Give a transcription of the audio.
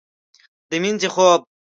د مینځې خوب